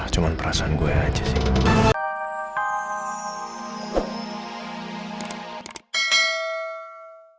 cuma perasaan gue aja sih